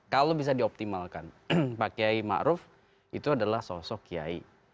kalau bisa dioptimalkan pak kiai ma'ruf itu adalah sosok kiai